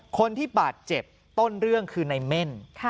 คนที่บาดเจ็บต้นเรื่องคือในเม่น